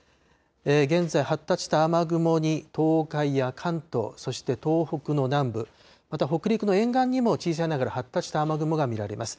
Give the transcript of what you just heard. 現在発達した雨雲に東海や関東、そして東北の南部、また北陸の沿岸にも小さいながら発達した雨雲が見られます。